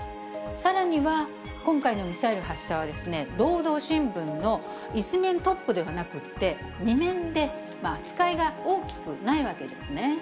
さらには、今回のミサイル発射は労働新聞の１面トップではなくて、２面で、扱いが大きくないわけですね。